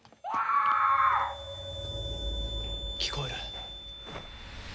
聞こえる。